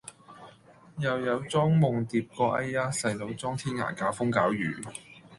又有莊夢蝶個哎呀細佬莊天涯搞風搞雨